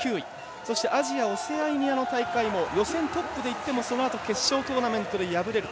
そして、アジアオセアニアの大会も予選を突破してもそのあと決勝トーナメントで敗れる。